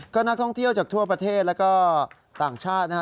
ก็นักท่องเที่ยวจากทั่วประเทศแล้วก็ต่างชาตินะฮะ